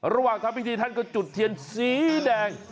ระหว่างทำพิธีท่านก็จุดเทียนสีแดง